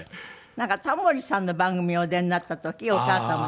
なんかタモリさんの番組お出になった時お母様が。